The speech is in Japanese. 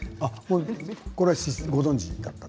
これはご存じでしたか？